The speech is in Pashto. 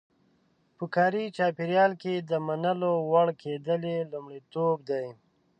په کاري چاپېریال کې د منلو وړ کېدل یې لومړیتوب دی.